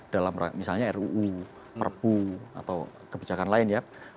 dalam misalnya ruu perpu atau kebijakan lain ya